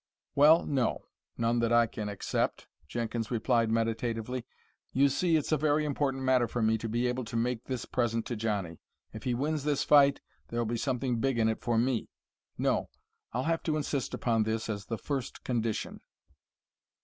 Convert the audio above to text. "Well, no; none that I can accept," Jenkins replied meditatively. "You see, it's a very important matter for me to be able to make this present to Johnny. If he wins this fight there'll be something big in it for me. No; I'll have to insist upon this as the first condition."